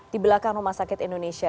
di belakang rumah sakit indonesia